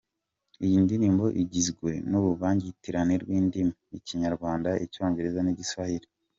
Iyi ndirimbo igizwe n’uruvangitirane rw’indimi; Ikinyarwanda, Icyongereza n’Igiswahili.